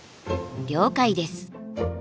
了解です！